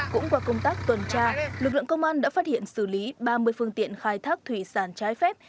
cũng qua công tác tuần tra lực lượng công an đã phát hiện xử lý ba mươi phương tiện khai thác thủy sản trái phép